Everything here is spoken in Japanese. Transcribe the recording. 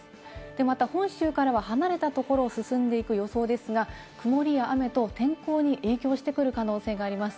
また本州からは離れたところを進んでいく予想ですが、曇りや雨と天候に影響してくる可能性があります。